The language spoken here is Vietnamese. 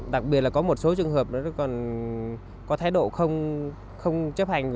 đặc biệt là có một số trường hợp còn có thái độ không chấp hành